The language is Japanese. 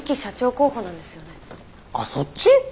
あそっち？